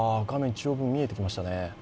中央部分に見えてきましたね。